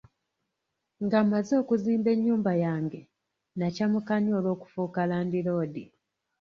Nga mmaze okuzimba ennyumba yange, nakyamuka nnyo olw'okufuuka landiroodi.